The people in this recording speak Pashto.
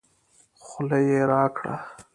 خوله يې راګړه